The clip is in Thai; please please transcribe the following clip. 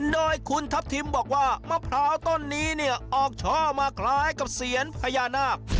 โดยคุณทัพทิมบอกว่ามะพร้าวต้นนี้เนี่ยออกช่อมาคล้ายกับเซียนพญานาค